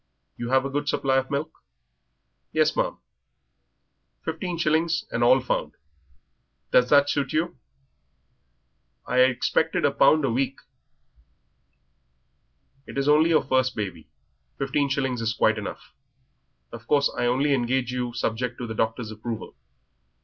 You have a good supply of milk?" "Yes, ma'am." "Fifteen shillings, and all found. Does that suit you?" "I had expected a pound a week." "It is only your first baby. Fifteen shillings is quite enough. Of course I only engage you subject to the doctor's approval.